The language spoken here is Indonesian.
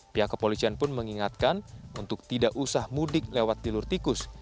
pihak kepolisian pun mengingatkan untuk tidak usah mudik lewat jalur tikus